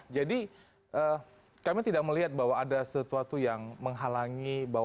jadi kami tidak melihat bahwa ada sesuatu yang menghalangi bahwa